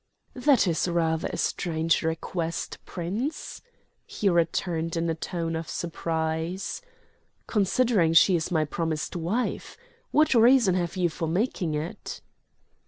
"That is rather a strange request, Prince," he returned in a tone of surprise, "considering she is my promised wife. What reason have you for making it?"